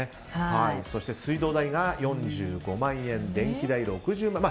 そして水道代が４５万円電気代６０万円。